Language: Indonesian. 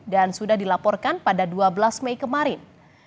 dan sudah dilaporkan pada dua belas mei kemarin